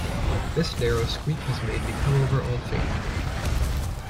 This narrow squeak has made me come over all faint.